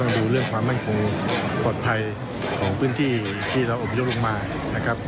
ดูเรื่องความมั่นคงปลอดภัยของพื้นที่ที่เราอบพยพลงมานะครับ